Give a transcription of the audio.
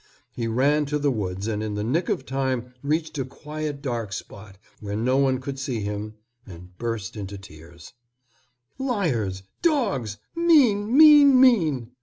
He ran to the woods and in the nick of time reached a quiet dark spot, where no one could see him, and burst into tears. "Liars! Dogs! Mean mean mean!"